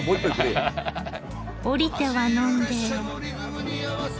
降りては呑んで。